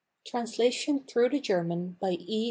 Translation through the German by E.